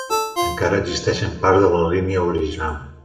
Encara existeixen parts de la línia original.